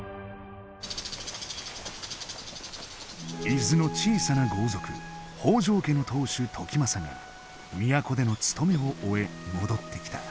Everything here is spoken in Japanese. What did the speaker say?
伊豆の小さな豪族北条家の当主時政が都での務めを終え戻ってきた。